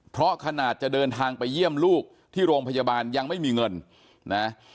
เพราะขนาดจะเดินทางไปเยี่ยมลูกที่โรงพยาบาลยังไม่มีเงินนะ